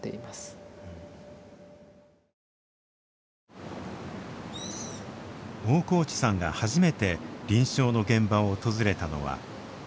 大河内さんが初めて臨床の現場を訪れたのは２００１年２２歳の時。